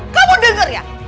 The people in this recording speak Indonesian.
kamu denger ya